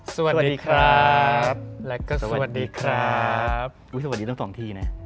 สวัสดีครับแล้วก็สวัสดีครับอุ้ยสวัสดีทั้งสองทีนะ